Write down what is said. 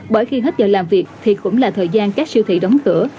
bởi khi hết giờ làm việc thì cũng là thời gian các siêu thị đóng cửa